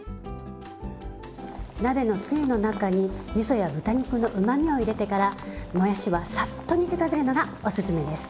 鍋のつゆの中にみそや豚肉のうまみを入れてからもやしはサッと煮て食べるのがおすすめです。